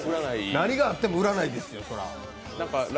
何があっても売らないですから。